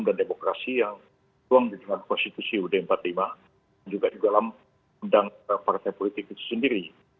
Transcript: demokrasi yang tuang di dalam konstitusi ud empat puluh lima dan juga di dalam undang partai politik itu sendiri